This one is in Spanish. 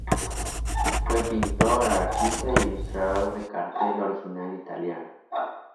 Fue pintor, artista e ilustrador de cartel original italiano.